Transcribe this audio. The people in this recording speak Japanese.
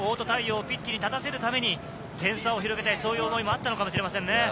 太陽をピッチに立たせるために点差を広げて、そういう思いもあったのかもしれませんね。